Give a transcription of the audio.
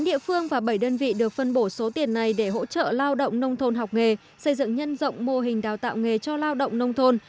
tám địa phương và bảy đơn vị được phân bổ số tiền này để hỗ trợ lao động nông thôn học nghề xây dựng nhân rộng mô hình đào tạo nghề cho lao động nông thôn